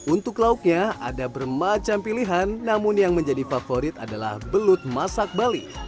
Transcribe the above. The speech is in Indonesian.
untuk lauknya ada bermacam pilihan namun yang menjadi favorit adalah belut masak bali